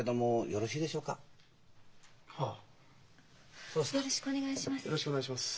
よろしくお願いします。